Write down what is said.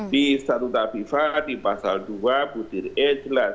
di statuta fifa di pasal dua butir e jelas